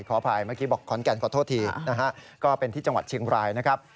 ขออภัยเมื่อกี้บอกขอนแก่นขอโทษทีนะฮะก็เป็นที่จังหวัดเชียงรายนะครับ